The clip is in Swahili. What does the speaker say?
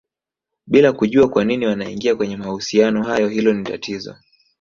bila kujua kwanini wanaingia kwenye mahusiano hayo hilo ni tatizo